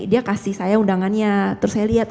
dia kasih saya undangannya terus saya lihat